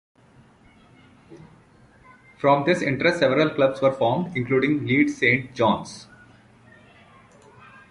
From this interest several clubs were formed, including Leeds Saint John's.